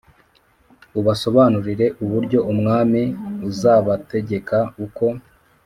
ubasobanurire uburyo umwami uzabategeka uko